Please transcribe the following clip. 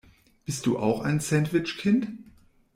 Bist du auch ein Sandwich-Kind?